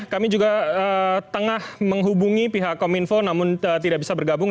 kami juga tengah menghubungi pihak kominfo namun tidak bisa bergabung